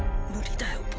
無理だよ